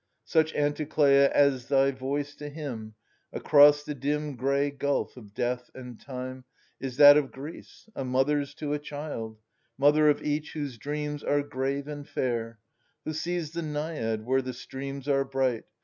— Such, Anticleia, as thy voice to him. Across the dim gray gulf of death and time Is that of Greece, a mother's to a child, — Mother of each whose dreams are grave and fair — Who sees the Naiad where the streams are bright